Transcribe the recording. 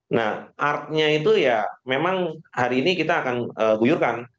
nah artnya itu ya memang hari ini kita akan guyurkan